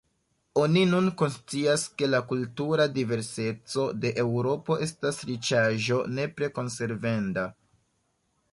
Oni nun konscias, ke la kultura diverseco de Eŭropo estas riĉaĵo nepre konservenda.